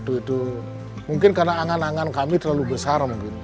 aduh itu mungkin karena angan angan kami terlalu besar